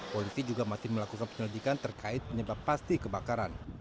polisi juga masih melakukan penyelidikan terkait penyebab pasti kebakaran